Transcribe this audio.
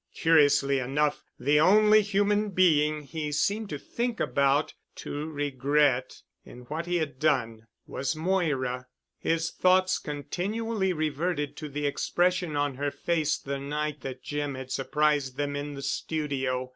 Curiously enough the only human being he seemed to think about, to regret, in what he had done, was Moira. His thoughts continually reverted to the expression on her face the night that Jim had surprised them in the studio.